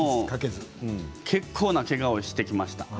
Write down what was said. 結構なけがをしてきました。